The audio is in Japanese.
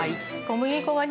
小麦粉の。